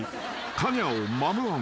カオニャオ・マムアン。